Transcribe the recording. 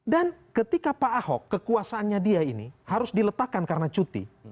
dan ketika pak ahok kekuasaannya dia ini harus diletakkan karena cuti